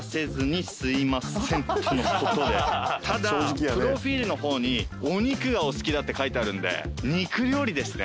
ただプロフィールの方にお肉がお好きだって書いてあるんで。